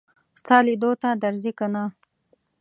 ستا لیدو ته درځي که نه.